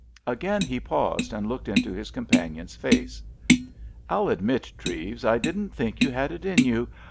Again he paused and looked into his companion's face. "I'll admit, Treves, I didn't think you had it in you.